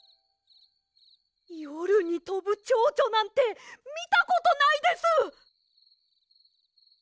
よるにとぶチョウチョなんてみたことないです！